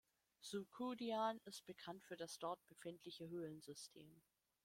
Zhoukoudian ist bekannt für das dort befindliche Höhlensystem.